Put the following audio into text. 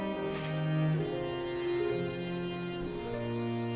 うん。